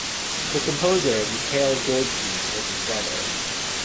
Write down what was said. The composer Mikhail Goldstein was his brother.